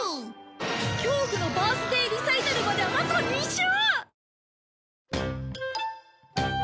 恐怖のバースデーリサイタルまであと２週！